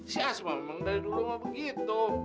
si asma memang dari dulu mah begitu